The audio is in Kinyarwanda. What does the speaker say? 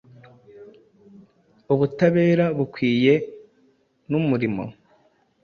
ubutabera bukwiye n’umurimo